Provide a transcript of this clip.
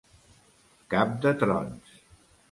Cap de trons.